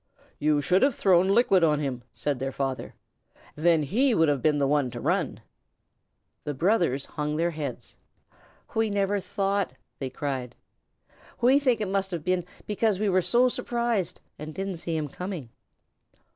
"You should have thrown liquid on him," said their father. "Then he would have been the one to run." The brothers hung their heads. "We never thought," they cried. "We think it must have been because we were so surprised and didn't see him coming."